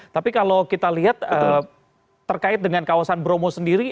tapi kalau kita lihat terkait dengan kawasan bromo sendiri